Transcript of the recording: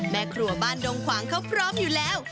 แม่ครัวบ้านดงขวางเขาพร้อมอยู่แล้ว